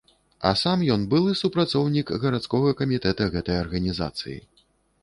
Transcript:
А сам ён былы супрацоўнік гарадскога камітэта гэтай арганізацыі.